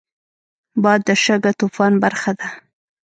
باد د شګهطوفان برخه ده